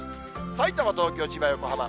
さいたま、東京、千葉、横浜。